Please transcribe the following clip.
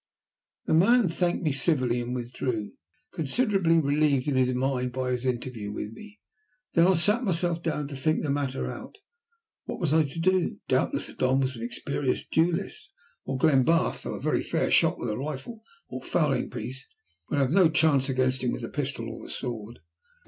The man thanked me civilly and withdrew, considerably relieved in his mind by his interview with me. Then I sat myself down to think the matter out. What was I to do? Doubtless the Don was an experienced duellist, while Glenbarth, though a very fair shot with a rifle or fowling piece, would have no chance against him with the pistol or the sword.